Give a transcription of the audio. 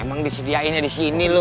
emang disediainya di sini lu